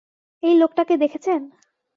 এই লোকটাকে দেখেছেন?